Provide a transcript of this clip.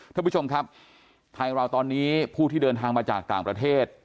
ท่านผู้ชมครับไทยเราตอนนี้ผู้ที่เดินทางมาจากต่างประเทศ